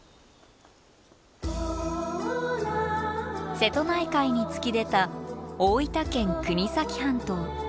瀬戸内海に突き出た大分県国東半島。